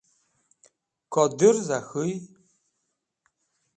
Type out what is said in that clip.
ko durza k̃huy